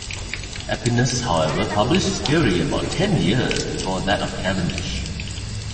Aepinus however published his theory about ten years before that of Cavendish.